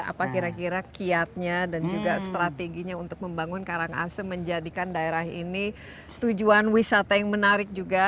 apa kira kira kiatnya dan juga strateginya untuk membangun karangasem menjadikan daerah ini tujuan wisata yang menarik juga